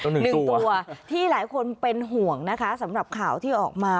หนึ่งตัวที่หลายคนเป็นห่วงนะคะสำหรับข่าวที่ออกมา